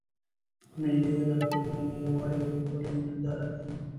مېلې د ټولني د یووالي او ورورولۍ ننداره کوي.